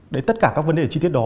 đấy tất cả các vấn đề chi tiết đó